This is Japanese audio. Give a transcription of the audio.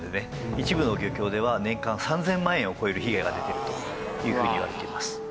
一部の漁協では年間３０００万円を超える被害が出ているというふうにいわれています。